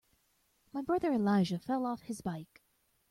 My brother Elijah fell off his bike.